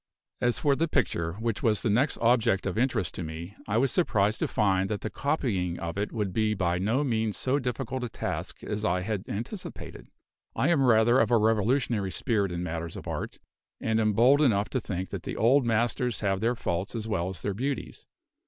As for the picture, which was the next object of interest to me, I was surprised to find that the copying of it would be by no means so difficult a task as I had anticipated. I am rather of a revolutionary spirit in matters of art, and am bold enough to think that the old masters have their faults as well as their beauties.